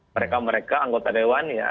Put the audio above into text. mereka mereka anggota dewan ya